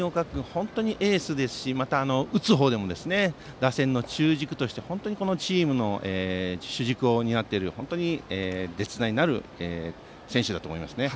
本当にエースですしまた打つ方でも打線の中軸としてチームの主軸を担っている本当に絶大なる選手だと思います。